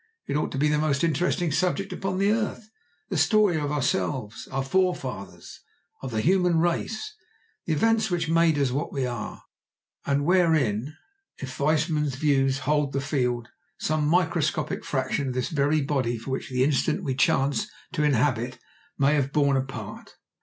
It ought to be the most interesting subject upon earth, the story of ourselves, of our forefathers, of the human race, the events which made us what we are, and wherein, if Weismann's views hold the field, some microscopic fraction of this very body which for the instant we chance to inhabit may have borne a part.